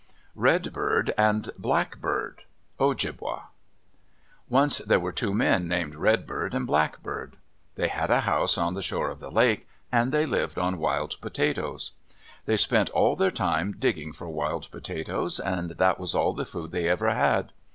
REDBIRD AND BLACKBIRD Ojibwa Once there were two men named Redbird and Blackbird. They had a house on the shore of the lake, and they lived on wild potatoes. They spent all their time digging for wild potatoes, and that was all the food they ever had.